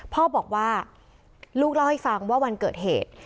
พ่อบอกว่าลูกเล่าให้ฟังว่าวันเกิดเหตุ